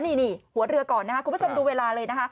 นี่หัวเรือก่อนคุณผู้ชมดูเวลาเลย